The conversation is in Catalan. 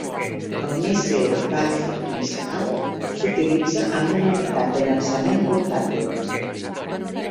El míssil bàsic Mistral s'utilitza amb una unitat de llançament portàtil.